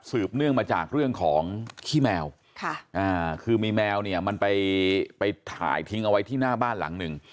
เนื่องมาจากเรื่องของขี้แมวคือมีแมวเนี่ยมันไปถ่ายทิ้งเอาไว้ที่หน้าบ้านหลังหนึ่ง